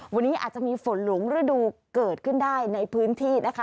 วันนี้อาจจะมีฝนหลงฤดูเกิดขึ้นได้ในพื้นที่นะคะ